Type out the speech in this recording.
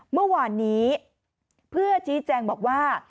เมื่อวานนี้เพื่อชี้แจงบอกว่า